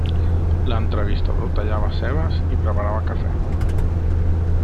L'entrevistador tallava cebes i preparava cafè.